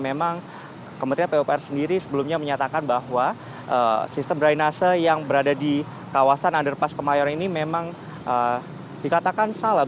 memang kementerian pupr sendiri sebelumnya menyatakan bahwa sistem drainase yang berada di kawasan underpass kemayoran ini memang dikatakan salah